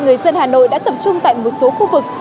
người dân hà nội đã tập trung tại một số khu vực